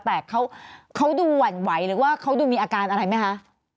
แต่เขาดูหวั่นไหวหรือว่าเขาดูมีอาการอะไรไหมคะ